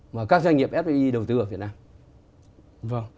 và các doanh nghiệp fbi đầu tư ở việt nam